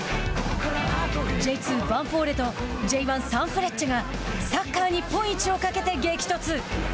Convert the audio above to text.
Ｊ２ヴァンフォーレとＪ１サンフレッチェがサッカー日本一をかけて激突。